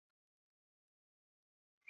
属于新大学。